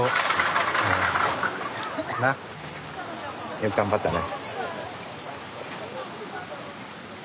よく頑張ったね。